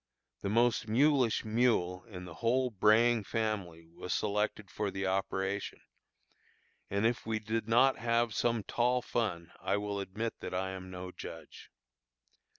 The most mulish mule in the whole braying family was selected for the operation, and if we did not have some tall fun I will admit that I am no judge.